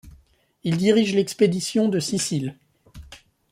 Il dirige l'expédition de Sicile.